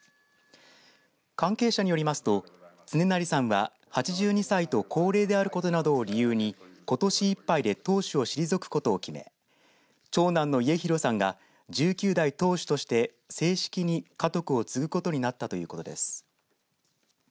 関係者によりますと、恒孝さんは８２歳と高齢であることなどを理由にことしいっぱいで当主を退くことを決め長男の家広さんが１９代当主として正式に家督を継ぐことになったということです。